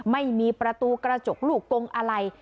ไม่มีประตูกระจกลูกกงอะไร